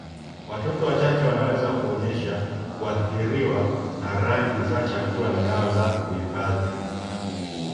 Watoto wachache wanaweza kuonyesha kuathiriwa na rangi za chakula na dawa za kuhifadhi.